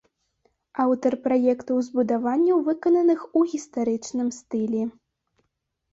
Аўтар праектаў збудаванняў, выкананых у гістарычным стылі.